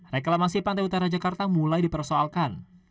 reklamasi pantai utara jakarta mulai dipersoalkan